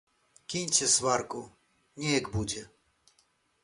Кіньце сварку, неяк будзе!